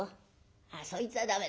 ああそいつは駄目だ。